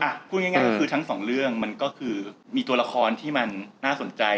พูดง่ายก็คือทั้งสองเรื่องมันก็คือมีตัวละครที่มันน่าสนใจ